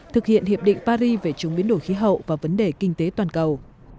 thực hiện hiệp định paris về chống biến đổi khí hậu và vấn đề kinh tế toàn cầu